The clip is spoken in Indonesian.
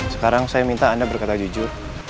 sekarang saya minta anda berkata jujur